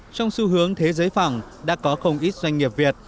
trong xu hướng thế giới phẳng đã có không ít doanh nghiệp việt